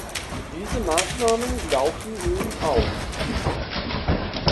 Diese Maßnahmen laufen nun aus.